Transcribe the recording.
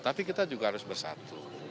tapi kita juga harus bersatu